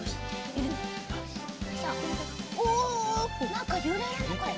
なんかゆれるねこれ。